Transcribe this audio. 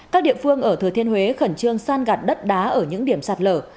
các địa phương ở thừa thiên huế khẩn trương san gạt đất đá ở những điểm sạt lở